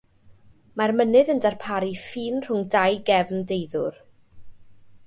Mae'r mynydd yn darparu ffin rhwng dau gefn deuddwr.